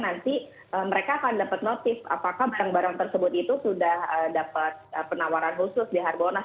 nanti mereka akan dapat notif apakah barang barang tersebut itu sudah dapat penawaran khusus di harbolnas